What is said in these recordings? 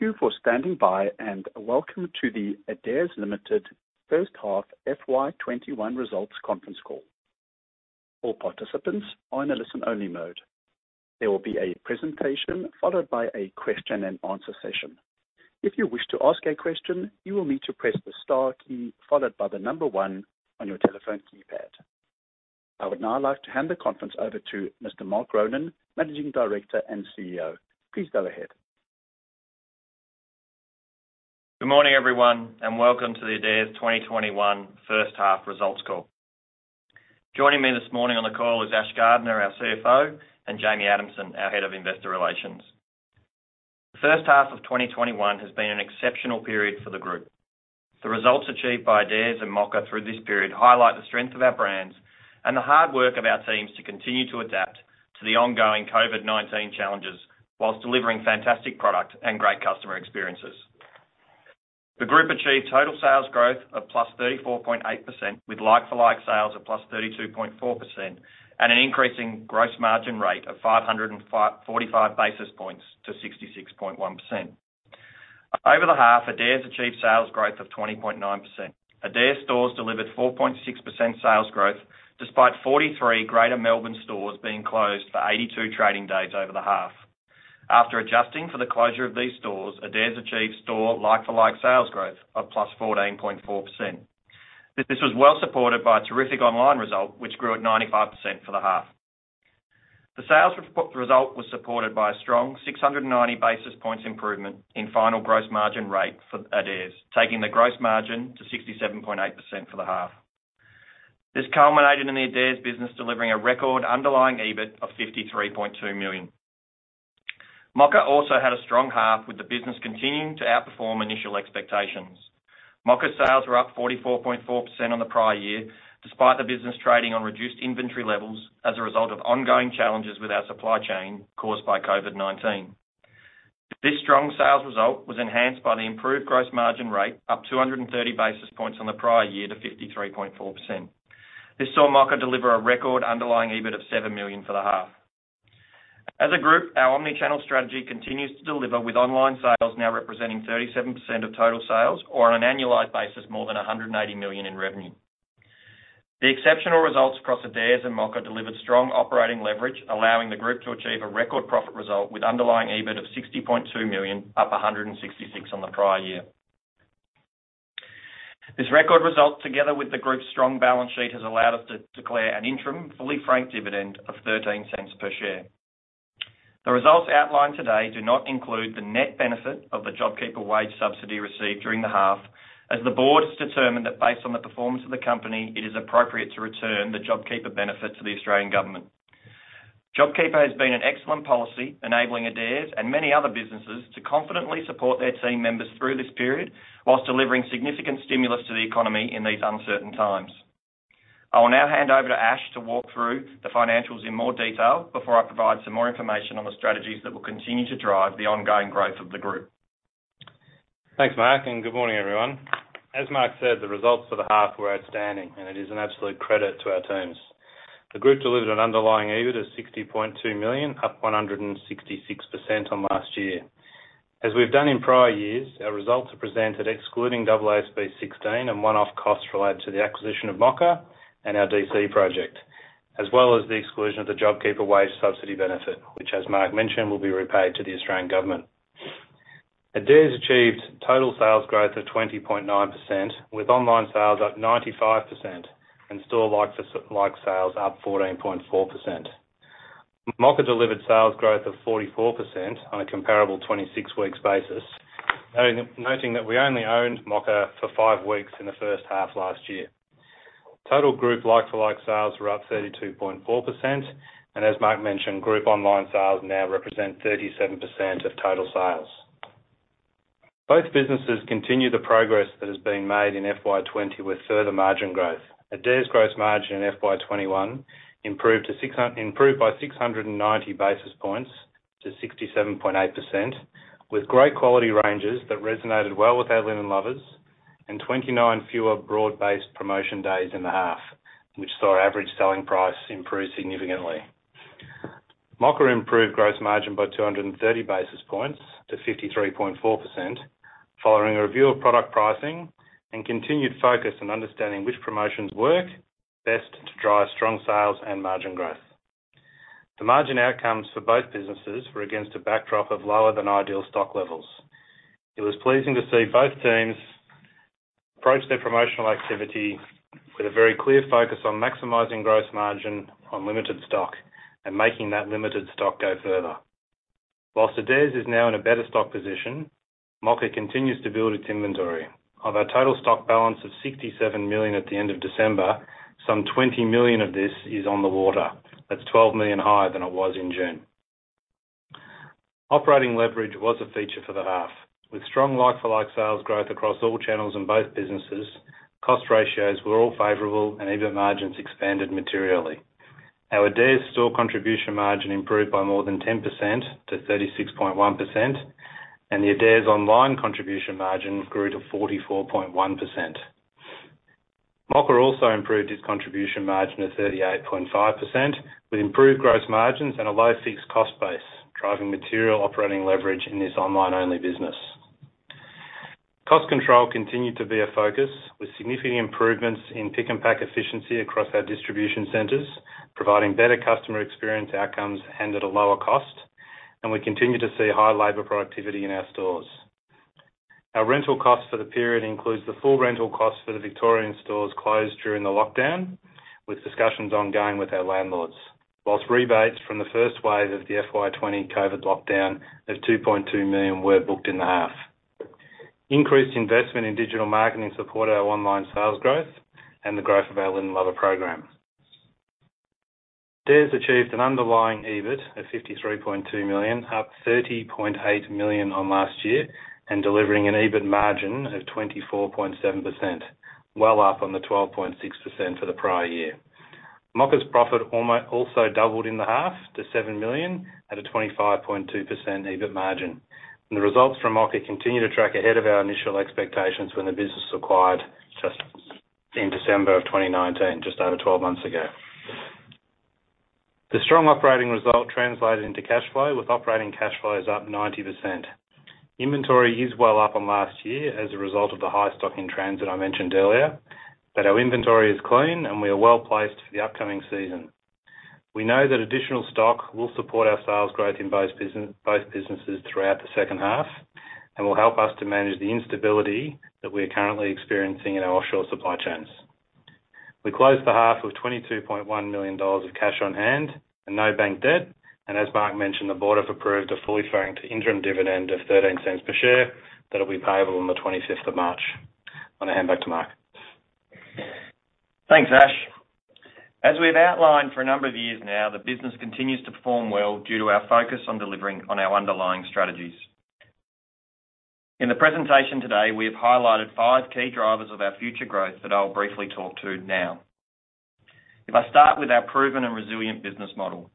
Thank you for standing by, and welcome to the Adairs Limited First Half FY 2021 Results Conference Call. All participants are in a listen-only mode. There will be a presentation followed by a question-and-answer session. If you wish to ask a question, you will need to press *1 on your telephone keypad. I would now like to hand the conference over to Mr. Mark Ronan, Managing Director and CEO. Please go ahead. Good morning, everyone, and welcome to the Adairs 2021 First Half Results Call. Joining me this morning on the call is Ashley Gardner, our CFO, and Jamie Adamson, our Head of Investor Relations. The first half of 2021 has been an exceptional period for the group. The results achieved by Adairs and Mocka through this period highlight the strength of our brands and the hard work of our teams to continue to adapt to the ongoing COVID-19 challenges, whilst delivering fantastic product and great customer experiences. The group achieved total sales growth of +34.8%, with like-for-like sales of +32.4%, and an increasing gross margin rate of 545 basis points to 66.1%. Over the half, Adairs achieved sales growth of 20.9%. Adairs stores delivered 4.6% sales growth, despite 43 greater Melbourne stores being closed for 82 trading days over the half. After adjusting for the closure of these stores, Adairs achieved store like-for-like sales growth of +14.4%. This was well supported by a terrific online result, which grew at 95% for the half. The sales result was supported by a strong 690 basis points improvement in final gross margin rate for Adairs, taking the gross margin to 67.8% for the half. This culminated in the Adairs business delivering a record underlying EBIT of 53.2 million. Mocka also had a strong half with the business continuing to outperform initial expectations. Mocka sales were up 44.4% on the prior year, despite the business trading on reduced inventory levels as a result of ongoing challenges with our supply chain caused by COVID-19. This strong sales result was enhanced by the improved gross margin rate, up 230 basis points on the prior year to 53.4%. This saw Mocka deliver a record underlying EBIT of 7 million for the half. As a group, our omni-channel strategy continues to deliver with online sales now representing 37% of total sales or on an annualized basis, more than 180 million in revenue. The exceptional results across Adairs and Mocka delivered strong operating leverage, allowing the group to achieve a record profit result with underlying EBIT of 60.2 million, up 166% on the prior year. This record result, together with the group's strong balance sheet, has allowed us to declare an interim fully franked dividend of 0.13 per share. The results outlined today do not include the net benefit of the JobKeeper wage subsidy received during the half, as the board's determined that based on the performance of the company, it is appropriate to return the JobKeeper benefit to the Australian government. JobKeeper has been an excellent policy, enabling Adairs and many other businesses to confidently support their team members through this period, whilst delivering significant stimulus to the economy in these uncertain times. I will now hand over to Ashley to walk through the financials in more detail before I provide some more information on the strategies that will continue to drive the ongoing growth of the group. Thanks, Mark. Good morning, everyone. As Mark said, the results for the half were outstanding. It is an absolute credit to our teams. The group delivered an underlying EBIT of 60.2 million, up 166% on last year. As we've done in prior years, our results are presented excluding AASB 16 and one-off costs related to the acquisition of Mocka and our DC project, as well as the exclusion of the JobKeeper wage subsidy benefit, which as Mark mentioned, will be repaid to the Australian government. Adairs achieved total sales growth of 20.9%, with online sales up 95% and store like-for-like sales up 14.4%. Mocka delivered sales growth of 44% on a comparable 26 weeks basis, noting that we only owned Mocka for five weeks in the first half last year. Total group like-for-like sales were up 32.4%, and as Mark mentioned, group online sales now represent 37% of total sales. Both businesses continue the progress that has been made in FY 2020 with further margin growth. Adairs gross margin in FY 2021 improved by 690 basis points to 67.8%, with great quality ranges that resonated well with our Linen Lovers and 29 fewer broad-based promotion days in the half, which saw our average selling price improve significantly. Mocka improved gross margin by 230 basis points to 53.4%, following a review of product pricing and continued focus on understanding which promotions work best to drive strong sales and margin growth. The margin outcomes for both businesses were against a backdrop of lower than ideal stock levels. It was pleasing to see both teams approach their promotional activity with a very clear focus on maximizing gross margin on limited stock and making that limited stock go further. Whilst Adairs is now in a better stock position, Mocka continues to build its inventory. Of our total stock balance of 67 million at the end of December, some 20 million of this is on the water. That's 12 million higher than it was in June. Operating leverage was a feature for the half. With strong like-for-like sales growth across all channels in both businesses, cost ratios were all favorable and EBIT margins expanded materially. Our Adairs store contribution margin improved by more than 10% to 36.1%, and the Adairs online contribution margin grew to 44.1%. Mocka also improved its contribution margin of 38.5%, with improved gross margins and a low fixed cost base, driving material operating leverage in this online-only business. Cost control continued to be a focus, with significant improvements in pick and pack efficiency across our distribution centers, providing better customer experience outcomes and at a lower cost. We continue to see high labor productivity in our stores. Our rental cost for the period includes the full rental cost for the Victorian stores closed during the lockdown, with discussions ongoing with our landlords. Whilst rebates from the first wave of the FY 2020 COVID-19 lockdown of 2.2 million were booked in the half. Increased investment in digital marketing supported our online sales growth and the growth of our Linen Lovers program. Adairs achieved an underlying EBIT of 53.2 million, up 30.8 million on last year, delivering an EBIT margin of 24.7%, well up on the 12.6% for the prior year. Mocka's profit also doubled in the half to 7 million, at a 25.2% EBIT margin. The results from Mocka continue to track ahead of our initial expectations when the business was acquired just in December of 2019, just over 12 months ago. The strong operating result translated into cash flow, with operating cash flows up 90%. Inventory is well up on last year as a result of the high stock in transit I mentioned earlier. Our inventory is clean, and we are well-placed for the upcoming season. We know that additional stock will support our sales growth in both businesses throughout the second half, and will help us to manage the instability that we're currently experiencing in our offshore supply chains. We closed the half with 22.1 million dollars of cash on hand and no bank debt. As Mark mentioned, the board have approved a fully franked interim dividend of 0.13 per share that'll be payable on the 25th of March. I'm going to hand back to Mark. Thanks, Ashley. As we've outlined for a number of years now, the business continues to perform well due to our focus on delivering on our underlying strategies. In the presentation today, we have highlighted five key drivers of our future growth that I'll briefly talk to now. If I start with our proven and resilient business model.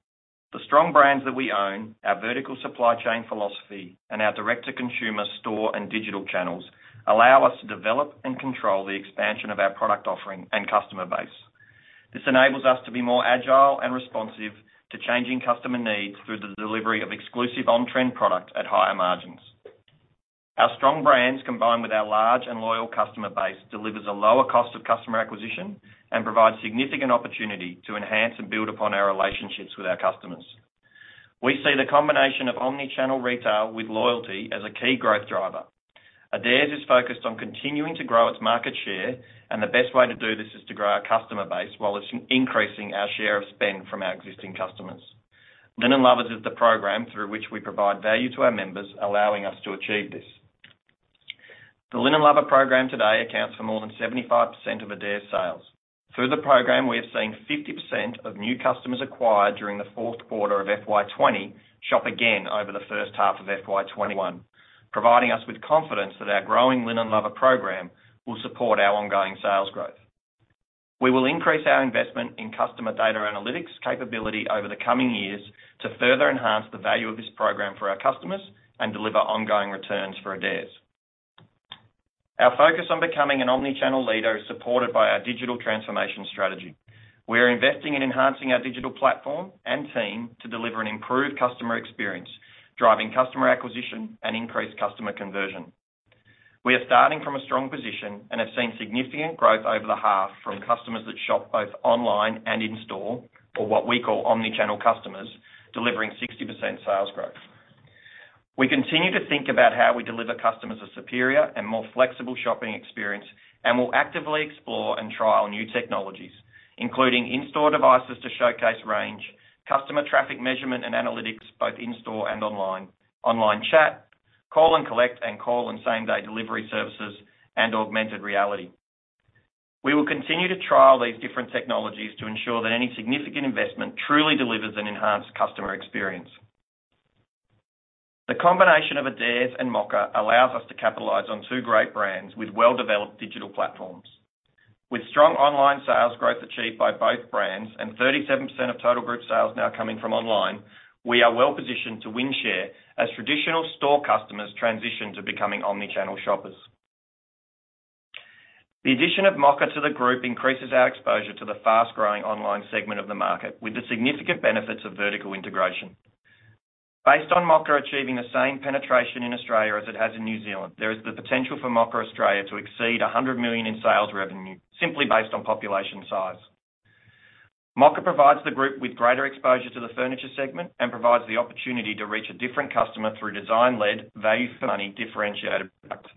The strong brands that we own, our vertical supply chain philosophy, and our direct-to-consumer store and digital channels allow us to develop and control the expansion of our product offering and customer base. This enables us to be more agile and responsive to changing customer needs through the delivery of exclusive on-trend product at higher margins. Our strong brands, combined with our large and loyal customer base, delivers a lower cost of customer acquisition and provides significant opportunity to enhance and build upon our relationships with our customers. We see the combination of omnichannel retail with loyalty as a key growth driver. Adairs is focused on continuing to grow its market share, and the best way to do this is to grow our customer base while also increasing our share of spend from our existing customers. Linen Lovers is the program through which we provide value to our members, allowing us to achieve this. The Linen Lovers program today accounts for more than 75% of Adairs' sales. Through the program, we have seen 50% of new customers acquired during the Q4 of FY 2020 shop again over the first half of FY 2021, providing us with confidence that our growing Linen Lovers program will support our ongoing sales growth. We will increase our investment in customer data analytics capability over the coming years to further enhance the value of this program for our customers and deliver ongoing returns for Adairs. Our focus on becoming an omnichannel leader is supported by our digital transformation strategy. We are investing in enhancing our digital platform and team to deliver an improved customer experience, driving customer acquisition and increased customer conversion. We are starting from a strong position and have seen significant growth over the half from customers that shop both online and in-store, or what we call omnichannel customers, delivering 60% sales growth. We continue to think about how we deliver customers a superior and more flexible shopping experience and will actively explore and trial new technologies, including in-store devices to showcase range; customer traffic measurement and analytics, both in-store and online; online chat; call and collect and call and same-day delivery services; and augmented reality. We will continue to trial these different technologies to ensure that any significant investment truly delivers an enhanced customer experience. The combination of Adairs and Mocka allows us to capitalize on two great brands with well-developed digital platforms. With strong online sales growth achieved by both brands and 37% of total group sales now coming from online, we are well-positioned to win share as traditional store customers transition to becoming omnichannel shoppers. The addition of Mocka to the group increases our exposure to the fast-growing online segment of the market, with the significant benefits of vertical integration. Based on Mocka achieving the same penetration in Australia as it has in New Zealand, there is the potential for Mocka Australia to exceed 100 million in sales revenue, simply based on population size. Mocka provides the group with greater exposure to the furniture segment and provides the opportunity to reach a different customer through design-led, value-for-money, differentiated product.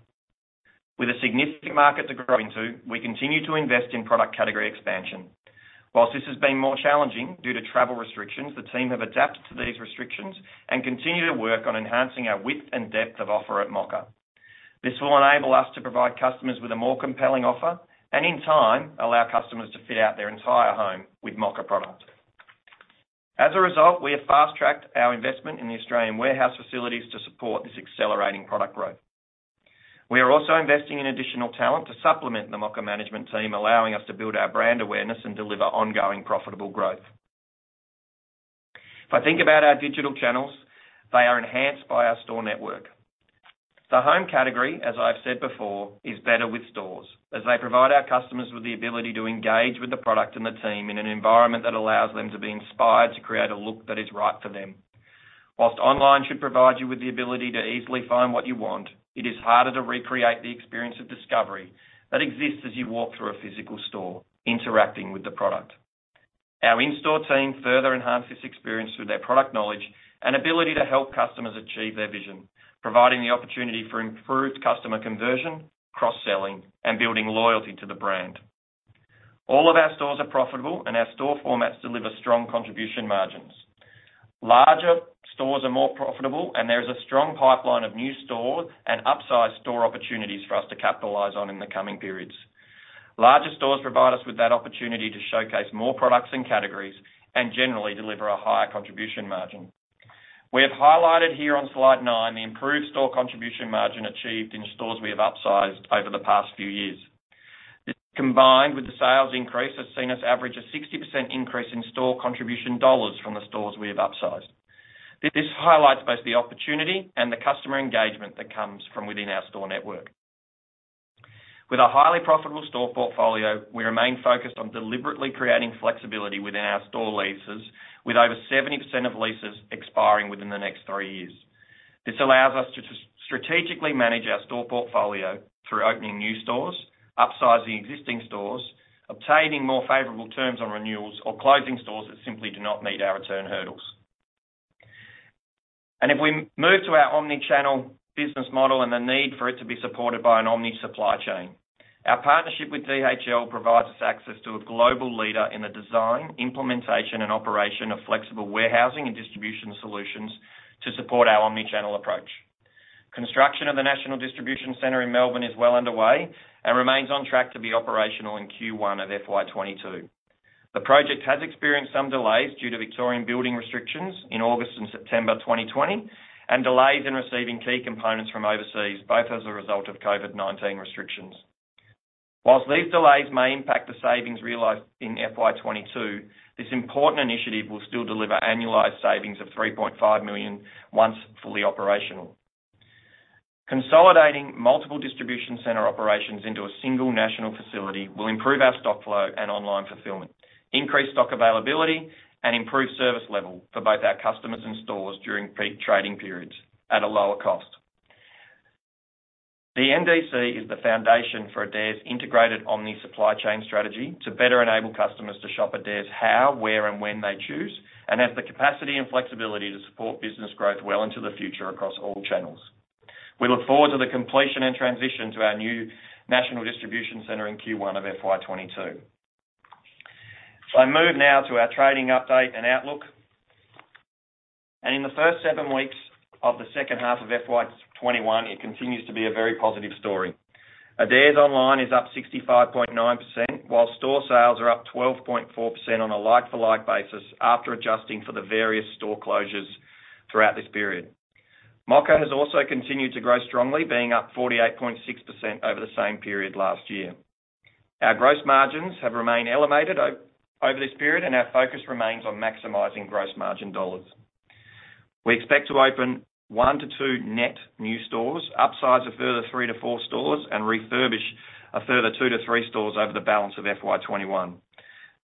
With a significant market to grow into, we continue to invest in product category expansion. Whilst this has been more challenging due to travel restrictions, the team have adapted to these restrictions and continue to work on enhancing our width and depth of offer at Mocka. This will enable us to provide customers with a more compelling offer, and in time, allow customers to fit out their entire home with Mocka product. As a result, we have fast-tracked our investment in the Australian warehouse facilities to support this accelerating product growth. We are also investing in additional talent to supplement the Mocka management team, allowing us to build our brand awareness and deliver ongoing profitable growth. If I think about our digital channels, they are enhanced by our store network. The home category, as I've said before, is better with stores, as they provide our customers with the ability to engage with the product and the team in an environment that allows them to be inspired to create a look that is right for them. While online should provide you with the ability to easily find what you want, it is harder to recreate the experience of discovery that exists as you walk through a physical store interacting with the product. Our in-store team further enhance this experience through their product knowledge and ability to help customers achieve their vision, providing the opportunity for improved customer conversion, cross-selling, and building loyalty to the brand. All of our stores are profitable, and our store formats deliver strong contribution margins. Larger stores are more profitable. There is a strong pipeline of new store and upsize store opportunities for us to capitalize on in the coming periods. Larger stores provide us with that opportunity to showcase more products and categories and generally deliver a higher contribution margin. We have highlighted here on slide nine the improved store contribution margin achieved in stores we have upsized over the past few years. This, combined with the sales increase, has seen us average a 60% increase in store contribution AUD from the stores we have upsized. This highlights both the opportunity and the customer engagement that comes from within our store network. With a highly profitable store portfolio, we remain focused on deliberately creating flexibility within our store leases, with over 70% of leases expiring within the next three years. This allows us to strategically manage our store portfolio through opening new stores, upsizing existing stores, obtaining more favorable terms on renewals, or closing stores that simply do not meet our return hurdles. If we move to our omnichannel business model and the need for it to be supported by an omni supply chain. Our partnership with DHL provides us access to a global leader in the design, implementation, and operation of flexible warehousing and distribution solutions to support our omnichannel approach. Construction of the National Distribution Centre in Melbourne is well underway and remains on track to be operational in Q1 of FY 2022. The project has experienced some delays due to Victorian building restrictions in August and September 2020 and delays in receiving key components from overseas, both as a result of COVID-19 restrictions. Whilst these delays may impact the savings realized in FY 2022, this important initiative will still deliver annualized savings of 3.5 million once fully operational. Consolidating multiple distribution center operations into a single national facility will improve our stock flow and online fulfillment, increase stock availability, and improve service level for both our customers and stores during peak trading periods at a lower cost. The NDC is the foundation for Adairs' integrated omni supply chain strategy to better enable customers to shop Adairs how, where, and when they choose, and has the capacity and flexibility to support business growth well into the future across all channels. We look forward to the completion and transition to our new National Distribution Centre in Q1 of FY 2022. If I move now to our trading update and outlook. In the first seven weeks of the second half of FY 2021, it continues to be a very positive story. Adairs online is up 65.9%, while store sales are up 12.4% on a like-for-like basis after adjusting for the various store closures throughout this period. Mocka has also continued to grow strongly, being up 48.6% over the same period last year. Our gross margins have remained elevated over this period, and our focus remains on maximizing gross margin dollars. We expect to open one to two net new stores, upsize a further three to four stores, and refurbish a further two to three stores over the balance of FY 2021.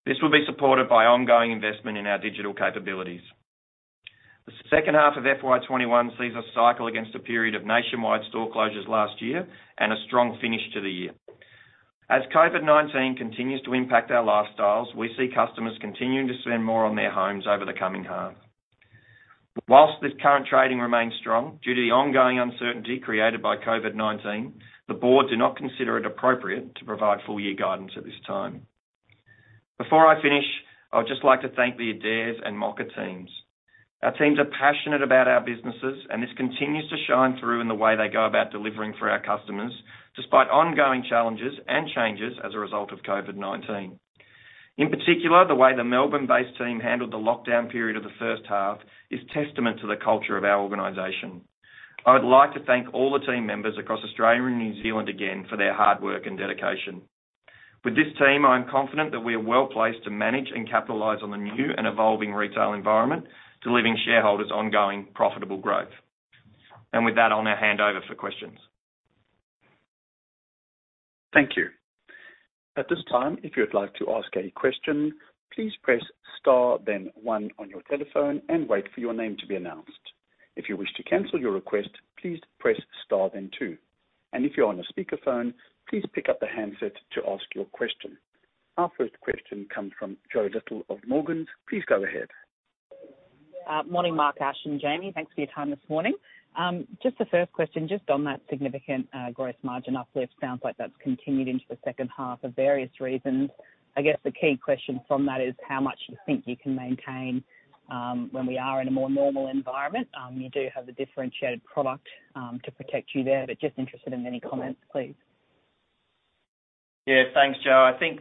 This will be supported by ongoing investment in our digital capabilities. The second half of FY 2021 sees us cycle against a period of nationwide store closures last year and a strong finish to the year. As COVID-19 continues to impact our lifestyles, we see customers continuing to spend more on their homes over the coming half. Whilst this current trading remains strong, due to the ongoing uncertainty created by COVID-19, the board do not consider it appropriate to provide full year guidance at this time. Before I finish, I would just like to thank the Adairs and Mocka teams. Our teams are passionate about our businesses, and this continues to shine through in the way they go about delivering for our customers, despite ongoing challenges and changes as a result of COVID-19. In particular, the way the Melbourne-based team handled the lockdown period of the first half is testament to the culture of our organization. I would like to thank all the team members across Australia and New Zealand again for their hard work and dedication. With this team, I am confident that we are well-placed to manage and capitalize on the new and evolving retail environment, delivering shareholders ongoing profitable growth. With that, I'll now hand over for questions. Thank you. Our first question comes from Josephine Little of Morgans. Please go ahead. Morning, Mark, Ashley, and Jamie. Thanks for your time this morning. Just the first question, just on that significant gross margin uplift, sounds like that's continued into the second half of various reasons. I guess the key question from that is how much you think you can maintain when we are in a more normal environment. You do have a differentiated product to protect you there, but just interested in any comments, please. Yeah. Thanks, Jo. I think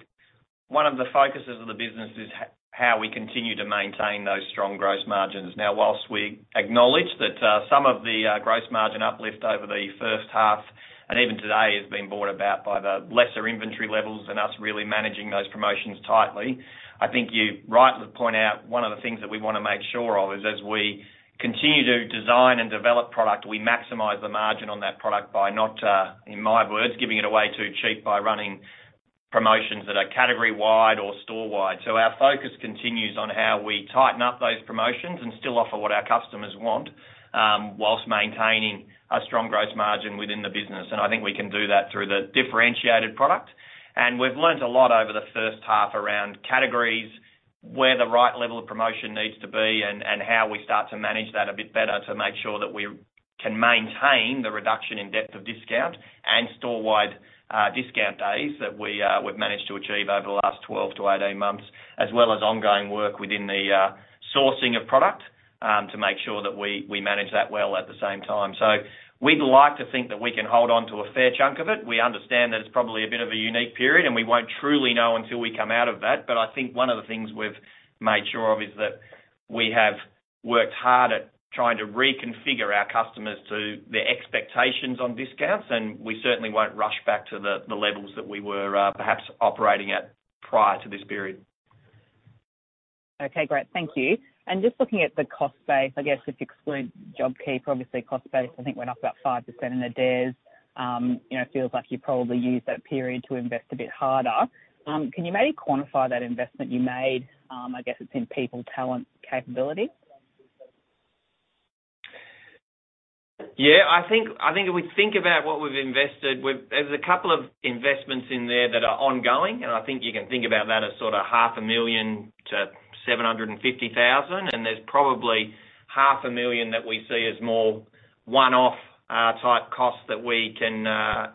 one of the focuses of the business is how we continue to maintain those strong gross margins. Now, whilst we acknowledge that some of the gross margin uplift over the first half and even today has been brought about by the lesser inventory levels and us really managing those promotions tightly. I think you rightly point out one of the things that we want to make sure of is as we continue to design and develop product, we maximize the margin on that product by not, in my words, giving it away too cheap by running promotions that are category-wide or store-wide. Our focus continues on how we tighten up those promotions and still offer what our customers want, whilst maintaining a strong growth margin within the business. I think we can do that through the differentiated product. We've learned a lot over the first half around categories, where the right level of promotion needs to be, and how we start to manage that a bit better to make sure that we can maintain the reduction in depth of discount and storewide discount days that we've managed to achieve over the last 12 to 18 months. As well as ongoing work within the sourcing of product, to make sure that we manage that well at the same time. We'd like to think that we can hold onto a fair chunk of it. We understand that it's probably a bit of a unique period, and we won't truly know until we come out of that. I think one of the things we've made sure of is that we have worked hard at trying to reconfigure our customers to their expectations on discounts, and we certainly won't rush back to the levels that we were perhaps operating at prior to this period. Okay, great. Thank you. Just looking at the cost base, I guess if you exclude JobKeeper, obviously cost base, I think went up about 5% in Adairs. Feels like you probably used that period to invest a bit harder. Can you maybe quantify that investment you made, I guess it's in people talent capability? Yeah, I think if we think about what we've invested, there's a couple of investments in there that are ongoing, and I think you can think about that as sort of 0.5 million-0.75 million. There's probably 0.5 million That we see as more one-off type costs that we can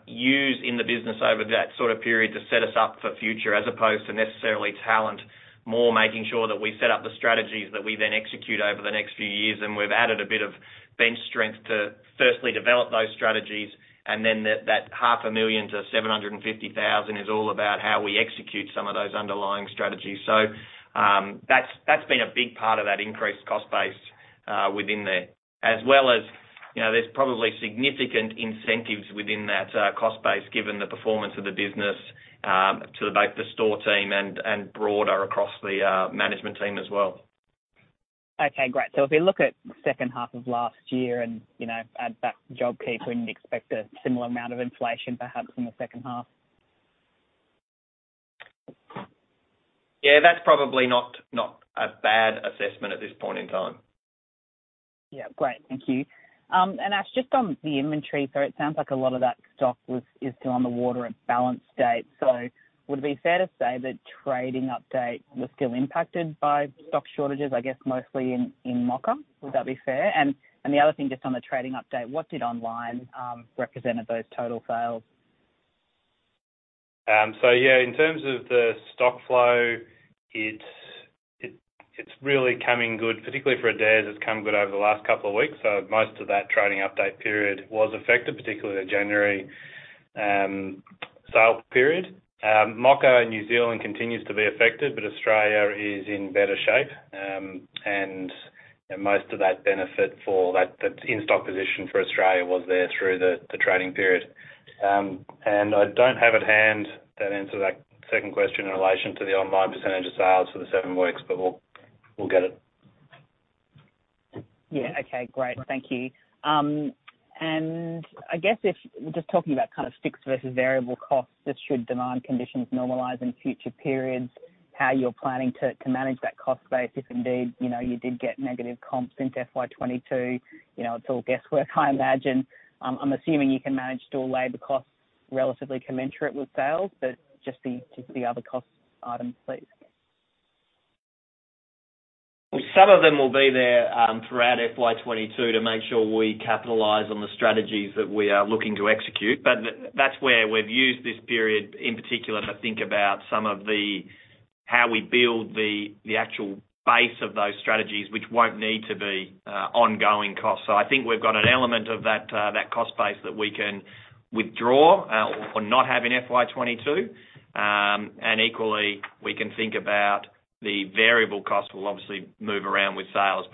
use in the business over that sort of period to set us up for future as opposed to necessarily talent. More making sure that we set up the strategies that we then execute over the next few years, and we've added a bit of bench strength to firstly develop those strategies, and then that 0.5 million-0.75 million Is all about how we execute some of those underlying strategies. That's been a big part of that increased cost base within there. There's probably significant incentives within that cost base, given the performance of the business, to both the store team and broader across the management team as well. Okay, great. If we look at second half of last year and add back JobKeeper, we can expect a similar amount of inflation perhaps in the second half. Yeah, that's probably not a bad assessment at this point in time. Yeah, great. Thank you. Ashley, just on the inventory, so it sounds like a lot of that stock is still on the water at balance date. Would it be fair to say the trading update was still impacted by stock shortages, I guess mostly in Mocka? Would that be fair? The other thing just on the trading update, what did online represent of those total sales? Yeah, in terms of the stock flow, it's really coming good, particularly for Adairs, it's come good over the last couple of weeks. Most of that trading update period was affected, particularly the January sale period. Mocka in New Zealand continues to be affected, Australia is in better shape. Most of that benefit for that in-stock position for Australia was there through the trading period. I don't have at hand that answer to that second question in relation to the online percentage of sales for the seven weeks, we'll get it. Yeah. Okay, great. Thank you. I guess if we're just talking about kind of fixed versus variable costs, just should demand conditions normalize in future periods, how you're planning to manage that cost base if indeed, you did get negative comps into FY 2022. It's all guesswork I imagine. I'm assuming you can manage store labor costs relatively commensurate with sales, but just the other cost items, please. Some of them will be there throughout FY 2022 to make sure we capitalize on the strategies that we are looking to execute. That's where we've used this period in particular to think about how we build the actual base of those strategies which won't need to be ongoing costs. I think we've got an element of that cost base that we can withdraw or not have in FY 2022. Equally, we can think about the variable cost will obviously move around with sales.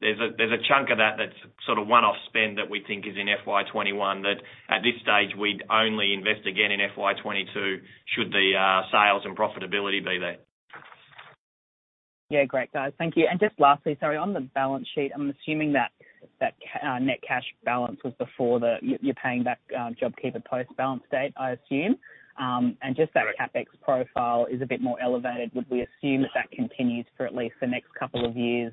There's a chunk of that that's sort of one-off spend that we think is in FY 2021 that at this stage we'd only invest again in FY 2022 should the sales and profitability be there. Yeah, great guys. Thank you. Just lastly, sorry, on the balance sheet, I'm assuming that net cash balance was before you're paying back JobKeeper post-balance date, I assume. CapEx profile is a bit more elevated. Would we assume that that continues for at least the next couple of years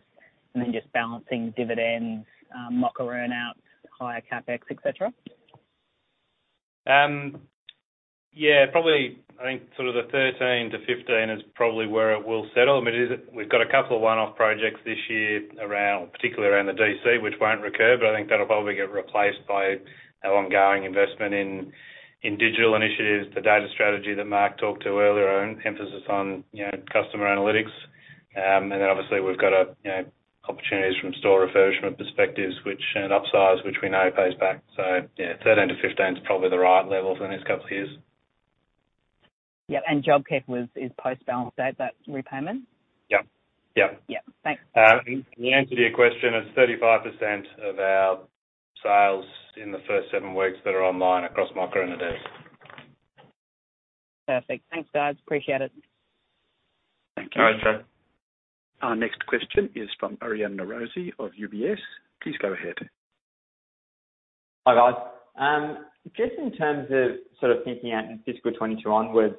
and then just balancing dividends, Mocka earn-out, higher CapEx, et cetera? Yeah, probably, I think sort of the 13-15 is probably where it will settle. I mean, we've got a couple of one-off projects this year around, particularly around the DC, which won't recur, but I think that'll probably get replaced by our ongoing investment in digital initiatives, the data strategy that Mark talked to earlier, our own emphasis on customer analytics. Then obviously we've got opportunities from store refurbishment perspectives and upsize, which we know pays back. Yeah, 13-15 is probably the right level for the next couple of years. Yeah, JobKeeper is post-balance date, that repayment? Yeah. Thanks. The answer to your question is 35% of our sales in the first seven weeks that are online across Mocka and Adairs. Perfect. Thanks, guys. Appreciate it. No worries, Josephine. Our next question is from Aryan Norozi of UBS. Please go ahead. Hi, guys. Just in terms of thinking out in FY 2022 onwards,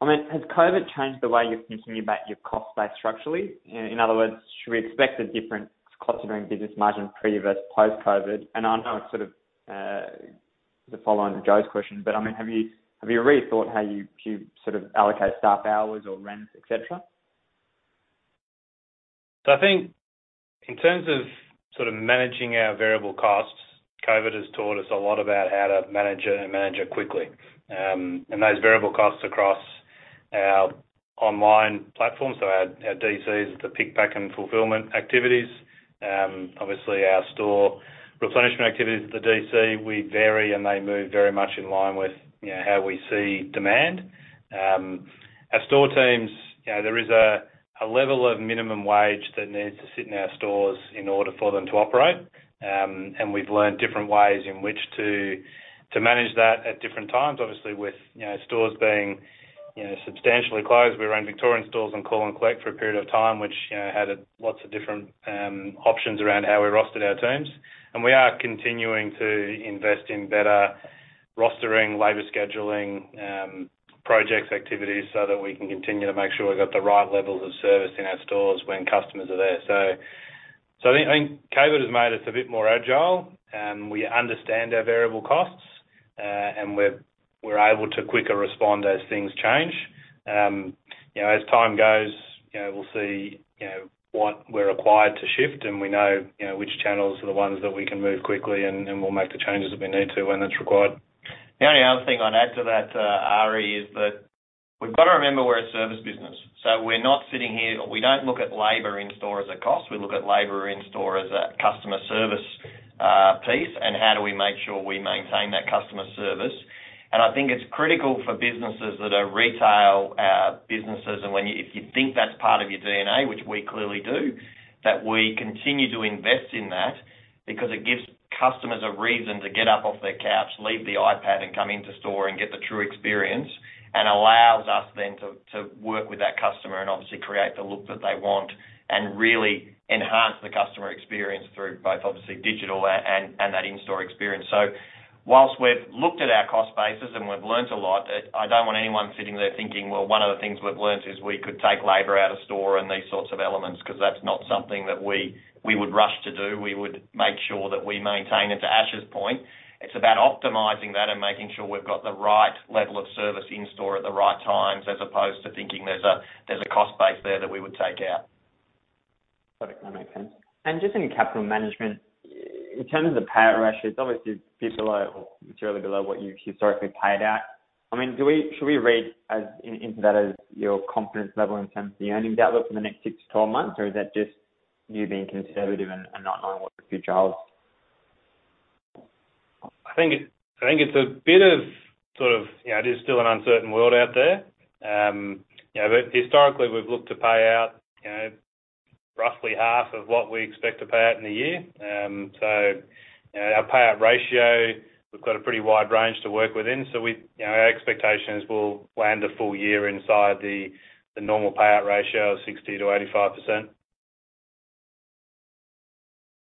has COVID changed the way you're thinking about your cost base structurally? In other words, should we expect a different cost-driven business margin pre versus post-COVID? I know it's sort of the follow-on to Josephine's question, but have you rethought how you allocate staff hours or rents, et cetera? I think in terms of managing our variable costs, COVID has taught us a lot about how to manage it and manage it quickly. Those variable costs across our online platform, so our DCs, the pick, pack, and fulfillment activities. Obviously our store replenishment activities at the DC, we vary, and they move very much in line with how we see demand. Our store teams, there is a level of minimum wage that needs to sit in our stores in order for them to operate. We've learned different ways in which to manage that at different times. Obviously, with stores being substantially closed, we ran Victorian stores on call and collect for a period of time, which had lots of different options around how we rostered our teams. We are continuing to invest in better rostering, labor scheduling, projects, activities, so that we can continue to make sure we've got the right levels of service in our stores when customers are there. I think COVID has made us a bit more agile. We understand our variable costs, and we're able to quicker respond as things change. As time goes, we'll see what we're required to shift, and we know which channels are the ones that we can move quickly and we'll make the changes that we need to when it's required. The only other thing I'd add to that, Aryan, is that we've got to remember we're a service business. We don't look at labor in store as a cost. We look at labor in store as a customer service piece, and how do we make sure we maintain that customer service. I think it's critical for businesses that are retail businesses, and if you think that's part of your DNA, which we clearly do, that we continue to invest in that because it gives customers a reason to get up off their couch, leave the iPad, and come into store and get the true experience, and allows us then to work with that customer and obviously create the look that they want and really enhance the customer experience through both obviously digital and that in-store experience. Whilst we've looked at our cost bases and we've learnt a lot, I don't want anyone sitting there thinking, well, one of the things we've learnt is we could take labor out of store and these sorts of elements, because that's not something that we would rush to do. We would make sure that we maintain it. To Ashley's point, it's about optimizing that and making sure we've got the right level of service in store at the right times as opposed to thinking there's a cost base there that we would take out. Perfect. That makes sense. Just in capital management, in terms of the payout ratio, it's obviously a bit below or materially below what you've historically paid out. Should we read into that as your confidence level in terms of the earnings outlook for the next six to 12 months? Is that just you being conservative and not knowing what the future holds? I think it is still an uncertain world out there. Historically we've looked to pay out roughly half of what we expect to pay out in a year. Our payout ratio, we've got a pretty wide range to work within. Our expectation is we'll land the full year inside the normal payout ratio of 60%-85%.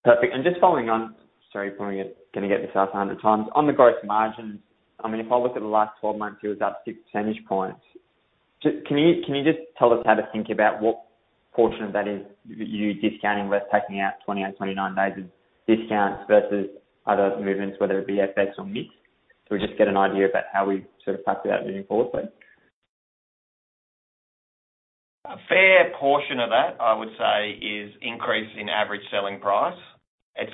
Perfect. Just following on, sorry if I'm going to get this asked 100x. On the gross margins, if I look at the last 12 months, it was up six percentage points. Can you just tell us how to think about what portion of that is you discounting less, taking out 28, 29 days of discounts versus other movements, whether it be FX or mix, so we just get an idea about how we factor that moving forward? A fair portion of that, I would say, is increase in average selling price. It's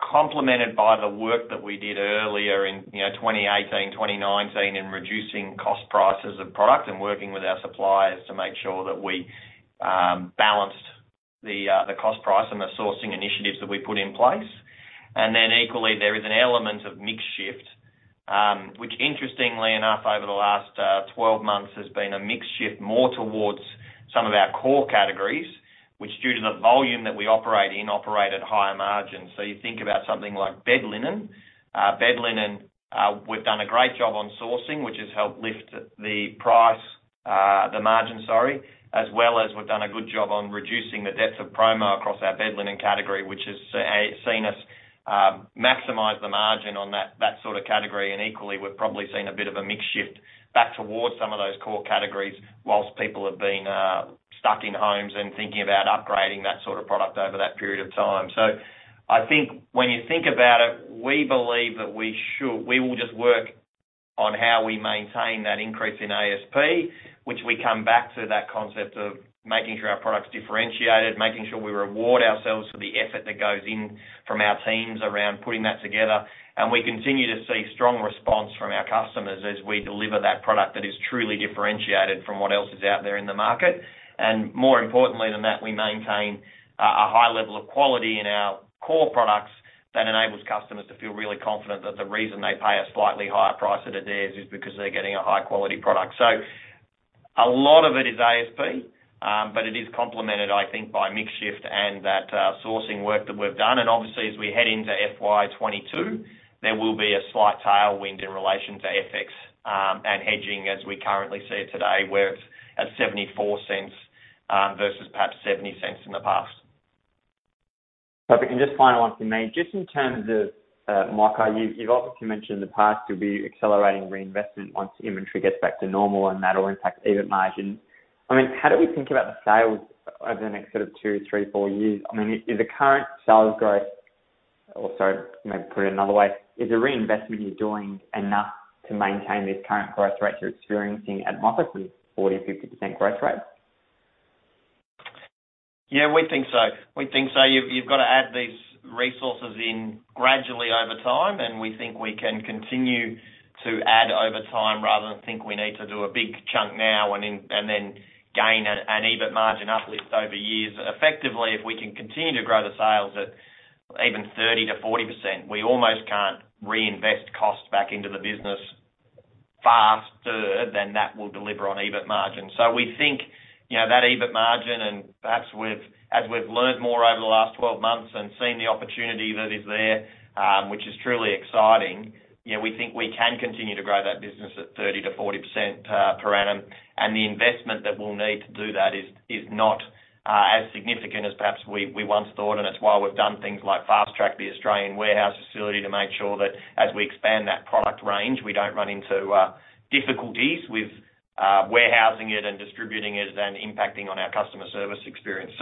complemented by the work that we did earlier in 2018, 2019 in reducing cost prices of product and working with our suppliers to make sure that we balanced the cost price and the sourcing initiatives that we put in place. Equally, there is an element of mix shift, which interestingly enough, over the last 12 months has been a mix shift more towards some of our core categories, which due to the volume that we operate in, operate at higher margins. You think about something like bed linen. Bed linen, we've done a great job on sourcing, which has helped lift the margin, sorry, as well as we've done a good job on reducing the depth of promo across our bed linen category, which has seen us maximize the margin on that sort of category. Equally, we've probably seen a bit of a mix shift back towards some of those core categories whilst people have been stuck in homes and thinking about upgrading that sort of product over that period of time. I think when you think about it, we believe that we will just work on how we maintain that increase in ASP, which we come back to that concept of making sure our product's differentiated, making sure we reward ourselves for the effort that goes in from our teams around putting that together. We continue to see strong response from our customers as we deliver that product that is truly differentiated from what else is out there in the market. More importantly than that, we maintain a high level of quality in our core products that enables customers to feel really confident that the reason they pay a slightly higher price at Adairs is because they're getting a high-quality product. A lot of it is ASP, but it is complemented, I think, by mix shift and that sourcing work that we've done. Obviously, as we head into FY 2022, there will be a slight tailwind in relation to FX and hedging as we currently see it today, where it's at 0.74 versus perhaps 0.70 in the past. Perfect. Just final one from me. Just in terms of margin, you've obviously mentioned in the past you'll be accelerating reinvestment once inventory gets back to normal and that'll impact EBIT margins. How do we think about the sales over the next sort of two, three, four years? Or sorry, maybe put it another way. Is the reinvestment you're doing enough to maintain this current growth rate you're experiencing at margin with 40% or 50% growth rate? Yeah, we think so. We think so. You've got to add these resources in gradually over time, and we think we can continue to add over time rather than think we need to do a big chunk now and then gain an EBIT margin uplift over years. Effectively, if we can continue to grow the sales at even 30%-40%, we almost can't reinvest costs back into the business faster than that will deliver on EBIT margin. We think, that EBIT margin and perhaps as we've learned more over the last 12 months and seen the opportunity that is there, which is truly exciting. We think we can continue to grow that business at 30%-40% per annum. The investment that we'll need to do that is not as significant as perhaps we once thought, and it's why we've done things like fast-track the Australian warehouse facility to make sure that as we expand that product range, we don't run into difficulties with warehousing it and distributing it and impacting on our customer service experience.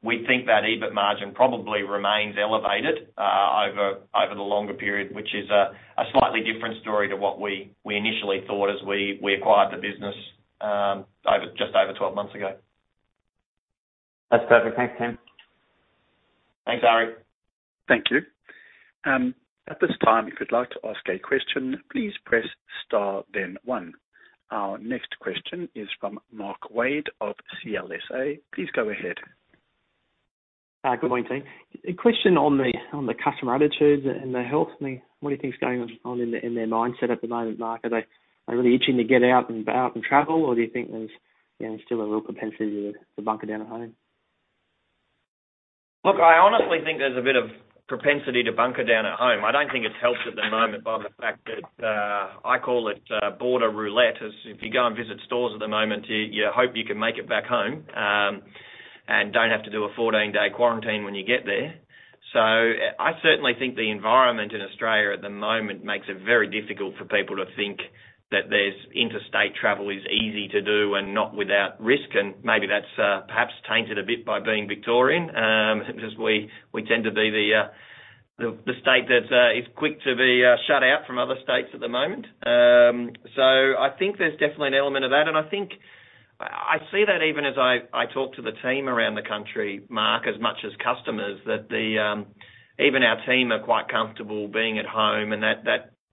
We think that EBIT margin probably remains elevated over the longer period, which is a slightly different story to what we initially thought as we acquired the business just over 12 months ago. That's perfect. Thanks, Team. Thanks, Aryan. Thank you. At this time, if you'd like to ask a question, please press *1. Our next question is from Mark Wade of CLSA. Please go ahead. Good morning, team. A question on the customer attitudes and the health, and what do you think is going on in their mindset at the moment, Mark? Are they really itching to get out and travel or do you think there's still a real propensity to bunker down at home? Look, I honestly think there's a bit of propensity to bunker down at home. I don't think it's helped at the moment by the fact that, I call it border roulette. As if you go and visit stores at the moment, you hope you can make it back home, and don't have to do a 14-day quarantine when you get there. I certainly think the environment in Australia at the moment makes it very difficult for people to think that there's interstate travel is easy to do and not without risk, and maybe that's perhaps tainted a bit by being Victorian. As we tend to be the state that is quick to be shut out from other states at the moment. I think there's definitely an element of that, and I think I see that even as I talk to the team around the country, Mark, as much as customers, that even our team are quite comfortable being at home and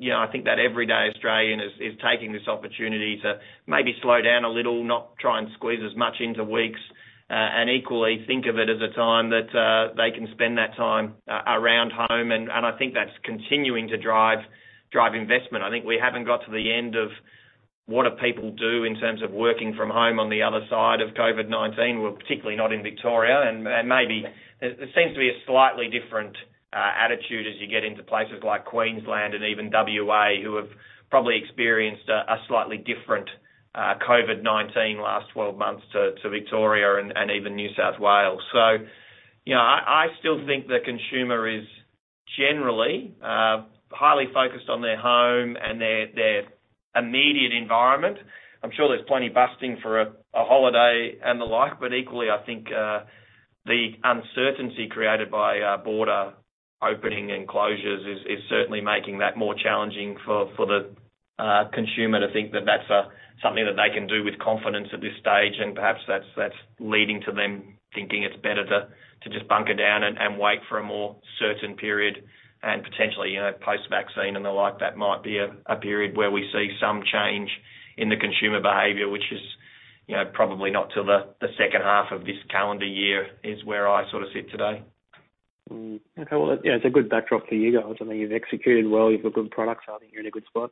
I think that everyday Australian is taking this opportunity to maybe slow down a little, not try and squeeze as much into weeks. Equally think of it as a time that they can spend that time around home and I think that's continuing to drive investment. I think we haven't got to the end of what do people do in terms of working from home on the other side of COVID-19. Particularly not in Victoria. Maybe there seems to be a slightly different attitude as you get into places like Queensland and even W.A., who have probably experienced a slightly different COVID-19 last 12 months to Victoria and even New South Wales. I still think the consumer is generally highly focused on their home and their immediate environment. I'm sure there's plenty busting for a holiday and the like, but equally, I think, the uncertainty created by border opening and closures is certainly making that more challenging for the consumer to think that that's something that they can do with confidence at this stage. Perhaps that's leading to them thinking it's better to just bunker down and wait for a more certain period and potentially, post-vaccine and the like that might be a period where we see some change in the consumer behavior, which is probably not till the second half of this calendar year is where I sort of sit today. Well, it's a good backdrop for you guys. I mean, you've executed well. You've got good products. I think you're in a good spot.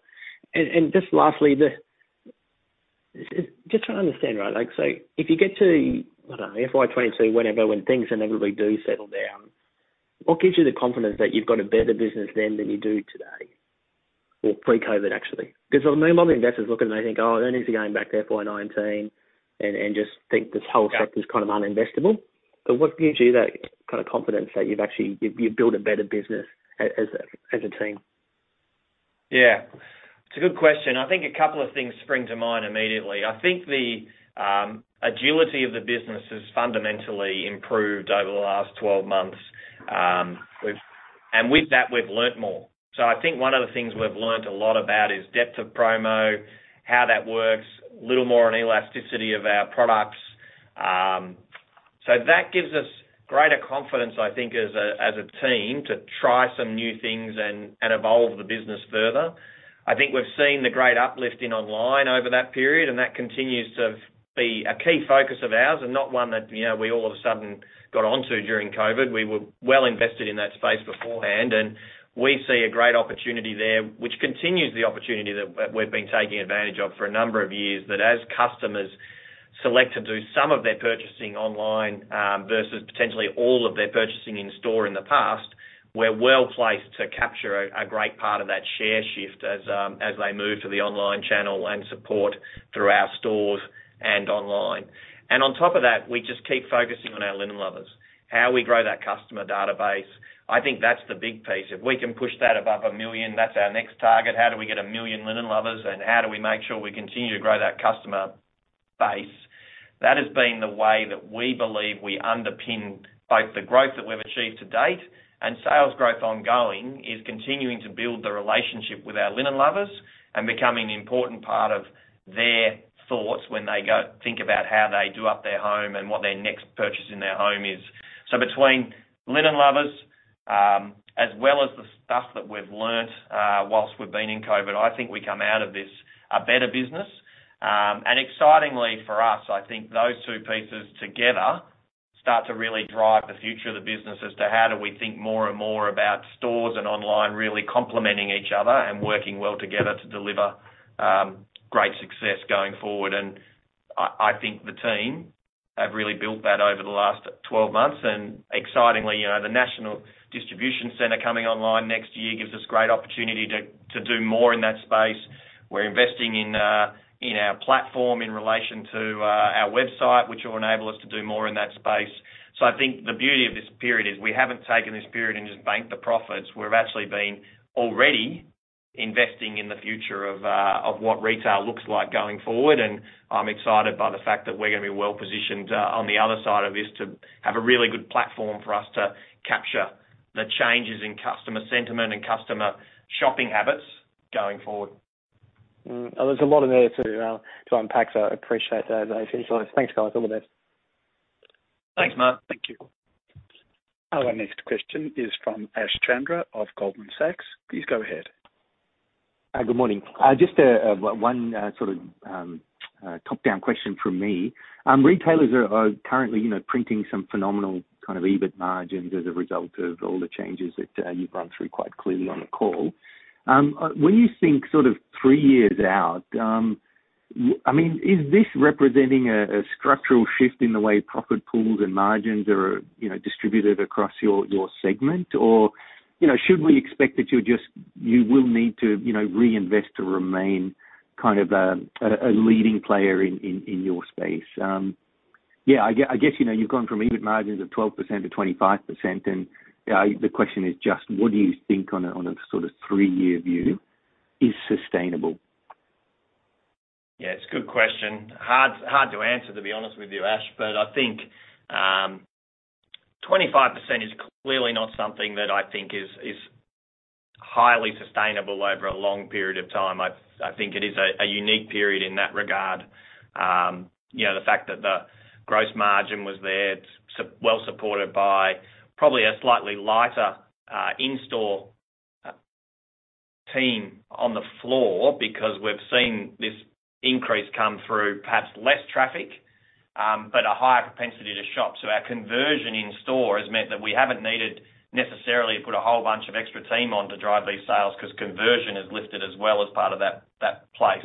Just lastly, just trying to understand. If you get to, I don't know, FY 2022, whenever, when things inevitably do settle down, what gives you the confidence that you've got a better business then than you do today? Or pre-COVID actually? Because I mean, a lot of investors look and they think, "Oh, earnings are going back to FY 2019," and just think this whole sector's kind of uninvestable. What gives you that kind of confidence that you've actually built a better business as a team? Yeah. It's a good question. I think a couple of things spring to mind immediately. I think the agility of the business has fundamentally improved over the last 12 months. With that, we've learnt more. I think one of the things we've learnt a lot about is depth of promo, how that works, a little more on elasticity of our products. That gives us greater confidence, I think, as a team to try some new things and evolve the business further. I think we've seen the great uplift in online over that period, and that continues to be a key focus of ours and not one that we all of a sudden got onto during COVID. We were well invested in that space beforehand, and we see a great opportunity there, which continues the opportunity that we've been taking advantage of for a number of years, that as customers select to do some of their purchasing online versus potentially all of their purchasing in-store in the past, we're well-placed to capture a great part of that share shift as they move to the online channel and support through our stores and online. And on top of that, we just keep focusing on our Linen Lovers, how we grow that customer database. I think that's the big piece. If we can push that above a million, that's our next target. How do we get a million Linen Lovers, and how do we make sure we continue to grow that customer base? That has been the way that we believe we underpin both the growth that we've achieved to date and sales growth ongoing is continuing to build the relationship with our Linen Lovers and becoming an important part of their thoughts when they think about how they do up their home and what their next purchase in their home is. Between Linen Lovers, as well as the stuff that we've learnt whilst we've been in COVID, I think we come out of this a better business. Excitingly for us, I think those two pieces together start to really drive the future of the business as to how do we think more and more about stores and online really complementing each other and working well together to deliver great success going forward. I think the team have really built that over the last 12 months. Excitingly, the National Distribution Centre coming online next year gives us great opportunity to do more in that space. We're investing in our platform in relation to our website, which will enable us to do more in that space. I think the beauty of this period is we haven't taken this period and just banked the profits. We've actually been already investing in the future of what retail looks like going forward, and I'm excited by the fact that we're going to be well-positioned on the other side of this to have a really good platform for us to capture the changes in customer sentiment and customer shopping habits going forward. There's a lot in there to unpack, so I appreciate those insights. Thanks, guys. All the best. Thanks, Mark. Our next question is from Ashish Sharma of Goldman Sachs. Please go ahead. Good morning. Just one sort of top-down question from me. Retailers are currently printing some phenomenal kind of EBIT margins as a result of all the changes that you've run through quite clearly on the call. When you think 3 years out, is this representing a structural shift in the way profit pools and margins are distributed across your segment? Or should we expect that you will need to reinvest to remain a leading player in your space? I guess you've gone from EBIT margins of 12% to 25%, and the question is just what do you think on a sort of 3-year view is sustainable? Yeah, it's a good question. Hard to answer, to be honest with you, Ashish. I think 25% is clearly not something that I think is highly sustainable over a long period of time. I think it is a unique period in that regard. The fact that the gross margin was there, it's well-supported by probably a slightly lighter in-store team on the floor, because we've seen this increase come through perhaps less traffic, but a higher propensity to shop. Our conversion in-store has meant that we haven't needed necessarily to put a whole bunch of extra team on to drive these sales because conversion has lifted as well as part of that place.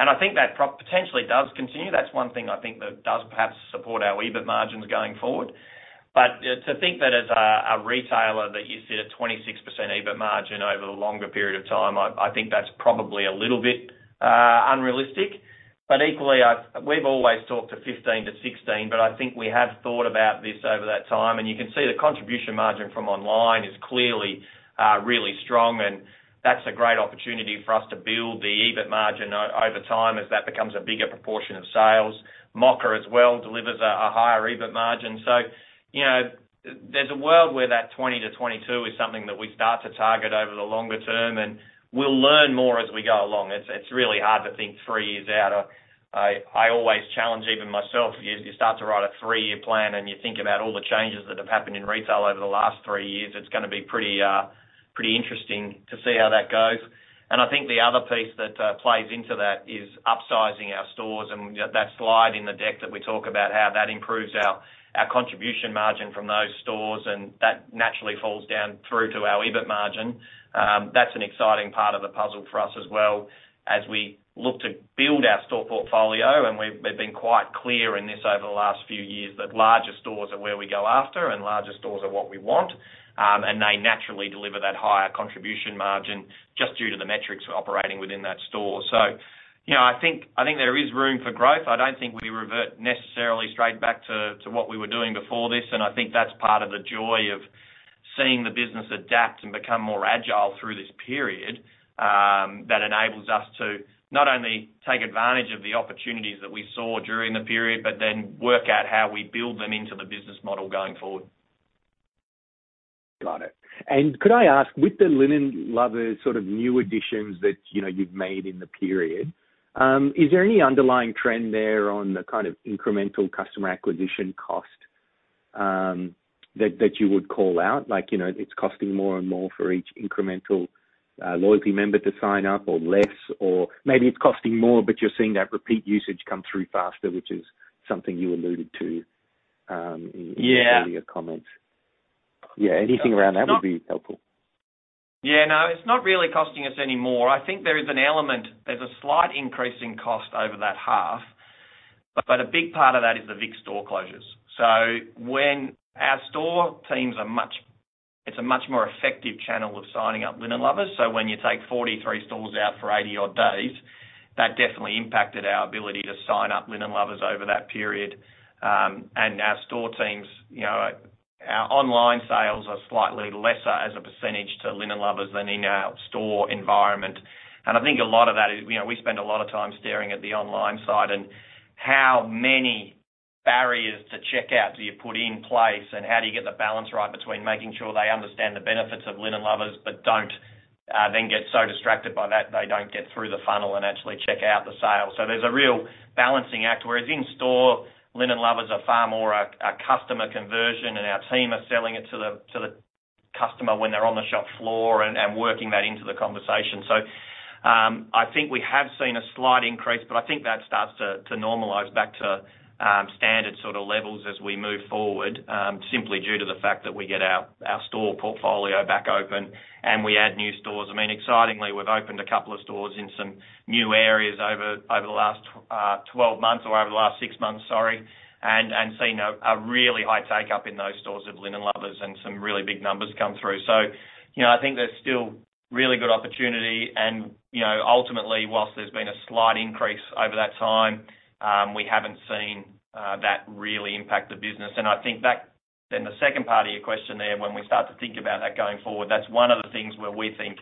I think that potentially does continue. That's one thing I think that does perhaps support our EBIT margins going forward. To think that as a retailer that you sit at 26% EBIT margin over the longer period of time, I think that's probably a little bit unrealistic. Equally, we've always talked to 15-16, but I think we have thought about this over that time, and you can see the contribution margin from online is clearly really strong, and that's a great opportunity for us to build the EBIT margin over time as that becomes a bigger proportion of sales. Mocka as well delivers a higher EBIT margin. There's a world where that 20-22 is something that we start to target over the longer term, and we'll learn more as we go along. It's really hard to think three years out. I always challenge even myself. You start to write a three-year plan, and you think about all the changes that have happened in retail over the last three years. It's going to be pretty interesting to see how that goes. I think the other piece that plays into that is upsizing our stores and that slide in the deck that we talk about how that improves our contribution margin from those stores, and that naturally falls down through to our EBIT margin. That's an exciting part of the puzzle for us as well as we look to build our store portfolio, and we've been quite clear in this over the last few years that larger stores are where we go after and larger stores are what we want, and they naturally deliver that higher contribution margin just due to the metrics operating within that store. I think there is room for growth. I don't think we revert necessarily straight back to what we were doing before this, and I think that's part of the joy of seeing the business adapt and become more agile through this period that enables us to not only take advantage of the opportunities that we saw during the period, but then work out how we build them into the business model going forward. Got it. Could I ask, with the Linen Lovers sort of new additions that you've made in the period, is there any underlying trend there on the kind of incremental customer acquisition cost that you would call out? Like it's costing more and more for each incremental loyalty member to sign up or less? Or maybe it's costing more, but you're seeing that repeat usage come through faster, which is something you alluded to in your earlier comments. Yeah, anything around that would be helpful. Yeah. No, it's not really costing us any more. I think there is an element, there's a slight increase in cost over that half, but a big part of that is the big store closures. Our store teams, it's a much more effective channel of signing up Linen Lovers. When you take 43 stores out for 80-odd days, that definitely impacted our ability to sign up Linen Lovers over that period. Our store teams, our online sales are slightly lesser as a percentage to Linen Lovers than in our store environment. I think a lot of that is we spend a lot of time staring at the online side and how many barriers to checkout do you put in place, and how do you get the balance right between making sure they understand the benefits of Linen Lovers, but don't then get so distracted by that that they don't get through the funnel and actually check out the sale. There's a real balancing act. Whereas in store, Linen Lovers are far more a customer conversion and our team are selling it to the customer when they're on the shop floor and working that into the conversation. I think we have seen a slight increase, but I think that starts to normalize back to standard levels as we move forward, simply due to the fact that we get our store portfolio back open and we add new stores. Excitingly, we've opened a couple of stores in some new areas over the last 12 months or over the last six months, sorry, and seen a really high take-up in those stores of Linen Lovers and some really big numbers come through. I think there's still really good opportunity and ultimately, whilst there's been a slight increase over that time, we haven't seen that really impact the business. I think back then, the second part of your question there, when we start to think about that going forward, that's one of the things where we think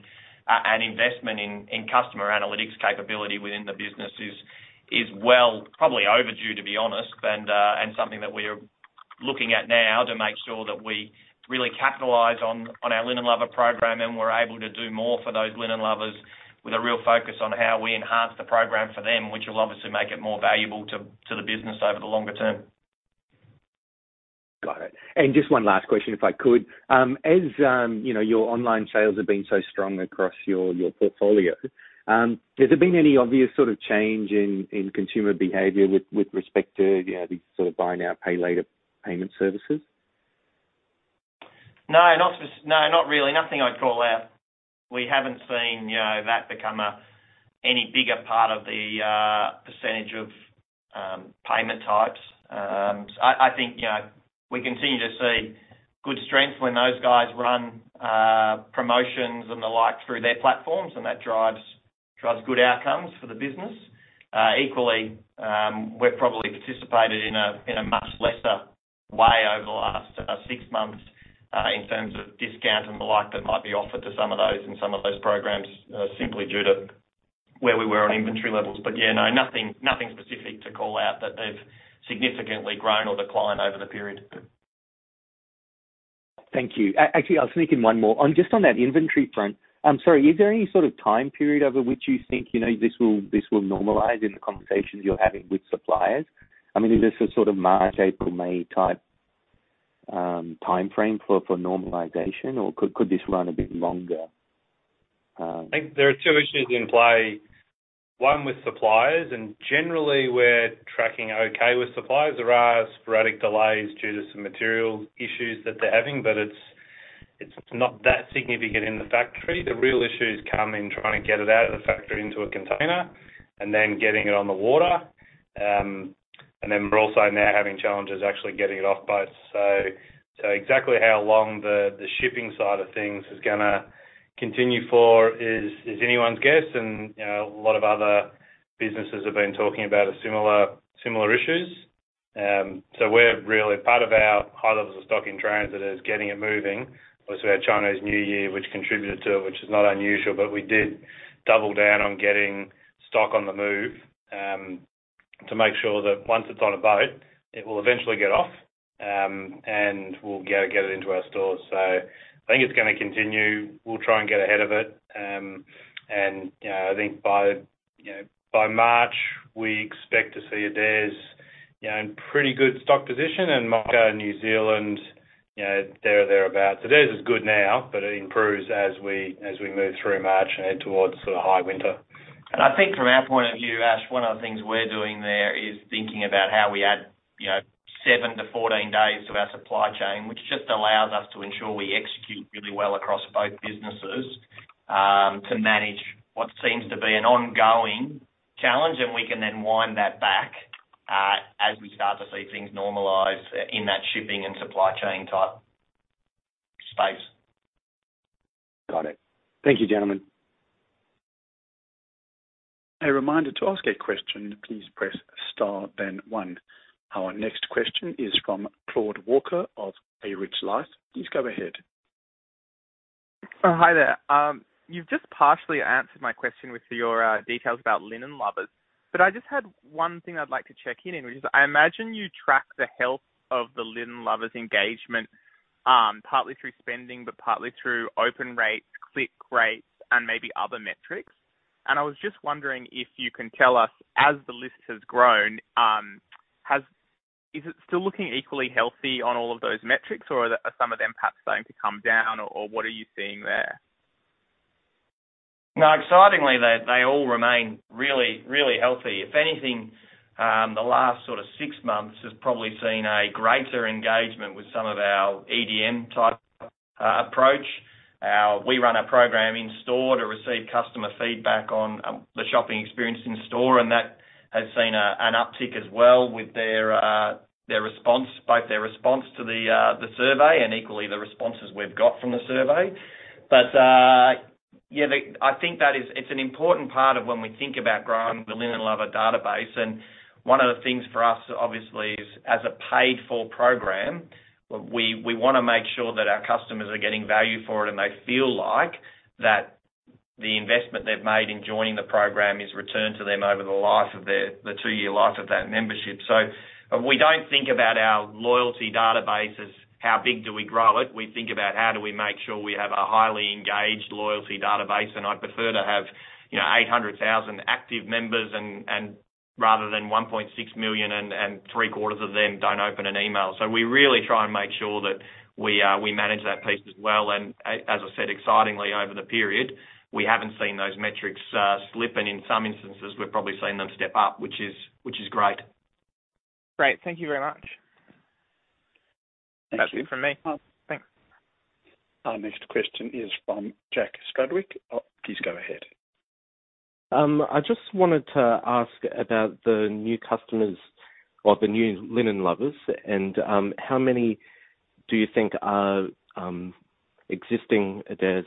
an investment in customer analytics capability within the business is well probably overdue, to be honest, and something that we're looking at now to make sure that we really capitalize on our Linen Lovers program and we're able to do more for those Linen Lovers with a real focus on how we enhance the program for them, which will obviously make it more valuable to the business over the longer term. Got it. Just one last question, if I could. As your online sales have been so strong across your portfolio, has there been any obvious change in consumer behavior with respect to these buy now, pay later payment services? No, not really. Nothing I'd call out. We haven't seen that become any bigger part of the percentage of payment types. I think we continue to see good strength when those guys run promotions and the like through their platforms, and that drives good outcomes for the business. Equally, we've probably participated in a much lesser way over the last six months in terms of discount and the like that might be offered to some of those in some of those programs, simply due to where we were on inventory levels. Yeah, no, nothing specific to call out that they've significantly grown or declined over the period. Thank you. Actually, I'll sneak in one more. Just on that inventory front, sorry, is there any sort of time period over which you think this will normalize in the conversations you're having with suppliers? Is this a sort of March, April, May type timeframe for normalization, or could this run a bit longer? I think there are two issues in play. One with suppliers. Generally we're tracking okay with suppliers. There are sporadic delays due to some material issues that they're having, but it's not that significant in the factory. The real issues come in trying to get it out of the factory into a container and then getting it on the water. Then we're also now having challenges actually getting it off boats. Exactly how long the shipping side of things is going to continue for is anyone's guess, and a lot of other businesses have been talking about similar issues. Part of our high levels of stock in transit is getting it moving. Obviously, we had Chinese New Year, which contributed to it, which is not unusual. We did double down on getting stock on the move to make sure that once it's on a boat, it will eventually get off, and we'll get it into our stores. I think it's going to continue. We'll try and get ahead of it, and I think by March, we expect to see Adairs in pretty good stock position and Mocka New Zealand, there or thereabout. Theirs is good now, but it improves as we move through March and head towards high winter. I think from our point of view, Ashish, one of the things we're doing there is thinking about how we add 7-14 days to our supply chain, which just allows us to ensure we execute really well across both businesses to manage what seems to be an ongoing challenge. We can then wind that back as we start to see things normalize in that shipping and supply chain-type space. Got it. Thank you, gentlemen. A reminder to ask a question, please press *1. Our next question is from Claude Walker of A Rich Life. Please go ahead. Hi there. You've just partially answered my question with your details about Linen Lovers, but I just had one thing I'd like to check in on, which is I imagine you track the health of the Linen Lovers' engagement partly through spending, but partly through open rates, click rates, and maybe other metrics. I was just wondering if you can tell us, as the list has grown, is it still looking equally healthy on all of those metrics, or are some of them perhaps starting to come down, or what are you seeing there? No, excitingly, they all remain really healthy. If anything, the last six months has probably seen a greater engagement with some of our EDM-type approach. We run a program in-store to receive customer feedback on the shopping experience in-store, and that has seen an uptick as well with both their response to the survey and equally the responses we've got from the survey. Yeah, I think that it's an important part of when we think about growing the Linen Lovers database, and one of the things for us obviously is, as a paid-for program, we want to make sure that our customers are getting value for it and they feel like that the investment they've made in joining the program is returned to them over the two-year life of that membership. We don't think about our loyalty database as how big do we grow it. We think about how do we make sure we have a highly engaged loyalty database. I'd prefer to have 800,000 active members and rather than 1.6 million and three-quarters of them don't open an email. We really try and make sure that we manage that piece as well. As I said, excitingly over the period, we haven't seen those metrics slip, and in some instances, we've probably seen them step up, which is great. Great. Thank you very much. Our next question is from Jack. Please go ahead. I just wanted to ask about the new customers or the new Linen Lovers, and how many do you think are existing Adairs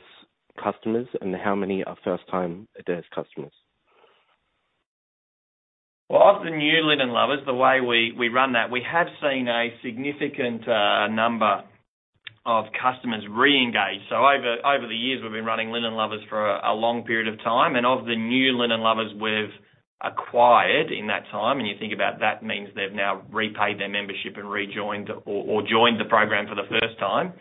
customers, and how many are first-time Adairs customers? Of the new Linen Lovers, the way we run that, we have seen a significant number of customers re-engage. Over the years, we've been running Linen Lovers for a long period of time. Of the new Linen Lovers we've acquired in that time, and you think about that means they've now re-paid their membership and re-joined or joined the program for the first time.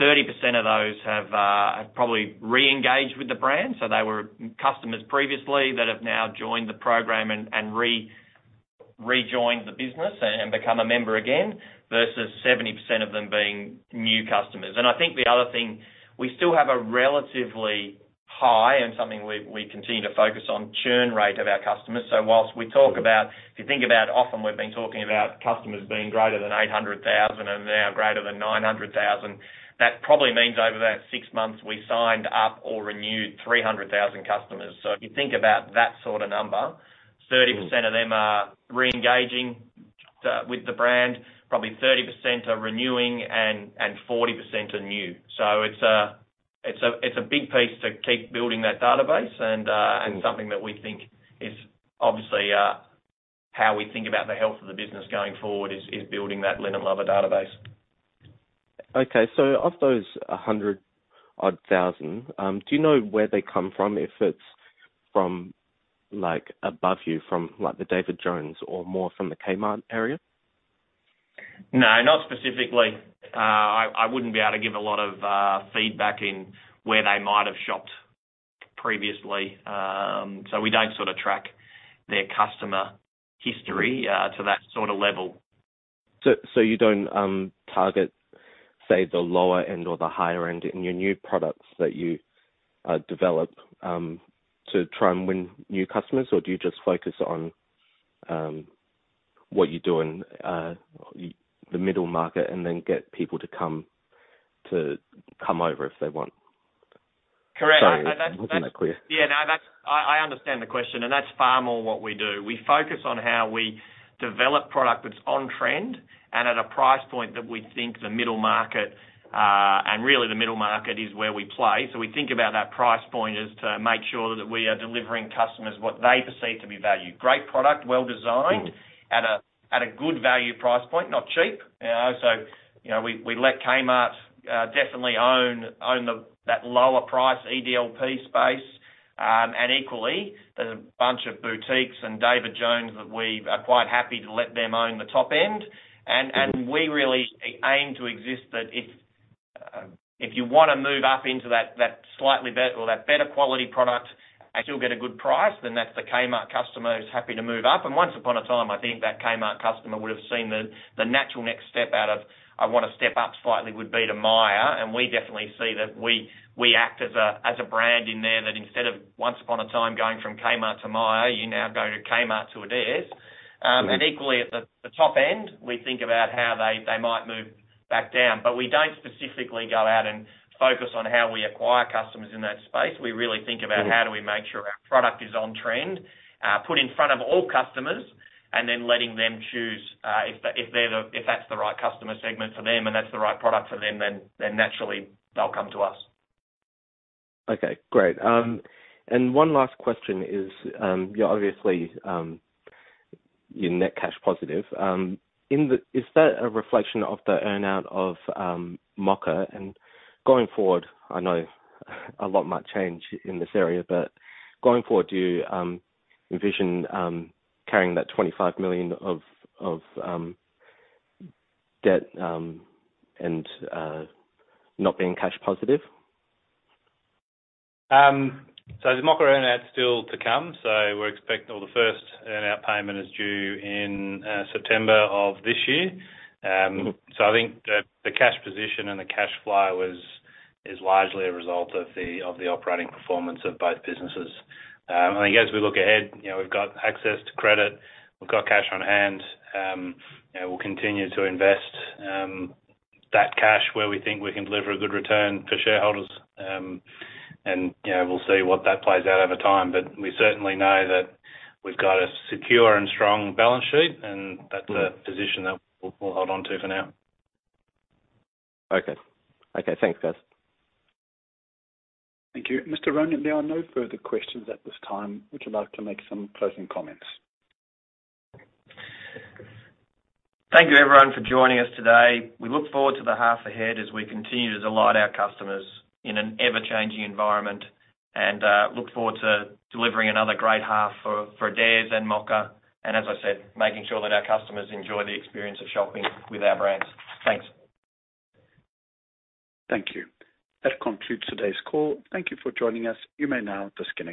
30% of those have probably re-engaged with the brand. They were customers previously that have now joined the program and re-joined the business and become a member again, versus 70% of them being new customers. I think the other thing, we still have a relatively high, and something we continue to focus on, churn rate of our customers. Whilst we talk about, if you think about often we've been talking about customers being greater than 800,000 and now greater than 900,000. That probably means over that six months, we signed up or renewed 300,000 customers. If you think about that sort of number, 30% of them are re-engaging with the brand, probably 30% are renewing, and 40% are new. It's a big piece to keep building that database and something that we think is obviously how we think about the health of the business going forward is building that Linen Lovers database. Of those 100-odd thousand, do you know where they come from? If it's from above you from the David Jones or more from the Kmart area? No, not specifically. I wouldn't be able to give a lot of feedback in where they might have shopped previously. We don't track their customer history to that sort of level. You don't target, say, the lower end or the higher end in your new products that you develop to try and win new customers, or do you just focus on what you do in the middle market and then get people to come over if they want? Correct. Sorry, I'm hoping I'm clear. Yeah, no, I understand the question, and that's far more what we do. We focus on how we develop product that's on-trend and at a price point that we think the middle market, and really the middle market is where we play. We think about that price point is to make sure that we are delivering customers what they perceive to be value, great product, well designed at a good value price point, not cheap. We let Kmart definitely own that lower price EDLP space. Equally, there's a bunch of boutiques and David Jones that we are quite happy to let them own the top end. We really aim to exist that if you want to move up into that slightly better or that better quality product and still get a good price, then that's the Kmart customer who's happy to move up. Once upon a time, I think that Kmart customer would have seen the natural next step out of, I want to step up slightly, would be to Myer, and we definitely see that we act as a brand in there that instead of once upon a time going from Kmart to Myer, you now go to Kmart to Adairs. Equally at the top end, we think about how they might move back down. We don't specifically go out and focus on how we acquire customers in that space. We really think about how do we make sure our product is on trend, put in front of all customers, and then letting them choose, if that's the right customer segment for them and that's the right product for them, then naturally they'll come to us. Okay, great. One last question is, you're obviously net cash positive. Is that a reflection of the earn-out of Mocka? Going forward, I know a lot might change in this area, but going forward, do you envision carrying that 25 million of debt and not being cash positive? The Mocka earn-out's still to come. Or the first earn-out payment is due in September of this year. I think the cash position and the cash flow is largely a result of the operating performance of both businesses. I think as we look ahead, we've got access to credit, we've got cash on hand, and we'll continue to invest that cash where we think we can deliver a good return for shareholders. We'll see what that plays out over time. We certainly know that we've got a secure and strong balance sheet, and that's a position that we'll hold onto for now. Okay. Thanks, guys. Thank you. Mr. Ronan, there are no further questions at this time. Would you like to make some closing comments? Thank you everyone for joining us today. We look forward to the half ahead as we continue to delight our customers in an ever-changing environment and look forward to delivering another great half for Adairs and Mocka. As I said, making sure that our customers enjoy the experience of shopping with our brands. Thanks. Thank you. That concludes today's call. Thank you for joining us. You may now disconnect.